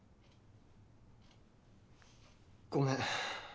ごめん。